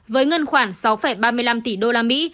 với ngân khoảng sáu ba mươi năm tỷ đô la mỹ